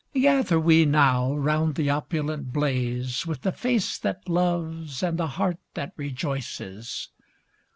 Gather we now round the opulent blaze With the face that loves and the heart that rejoices.